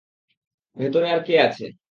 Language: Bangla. ভেতরে আর কে আছে?